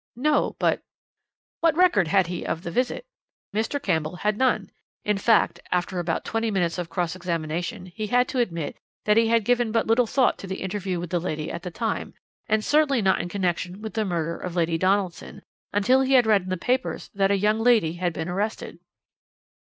"'No but ' "'What record had he of the visit?' "Mr. Campbell had none. In fact, after about twenty minutes of cross examination, he had to admit that he had given but little thought to the interview with the lady at the time, and certainly not in connection with the murder of Lady Donaldson, until he had read in the papers that a young lady had been arrested.